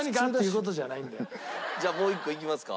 じゃあもう１個いきますか？